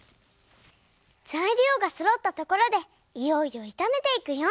ざいりょうがそろったところでいよいよいためていくよ。